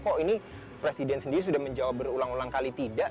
kok ini presiden sendiri sudah menjawab berulang ulang kali tidak